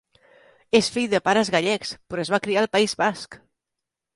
És fill de pares gallecs, però es va criar al País Basc.